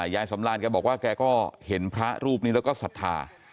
ยายสำรานแกบอกว่าแกก็เห็นพระรูปนี้แล้วก็ศรัทธา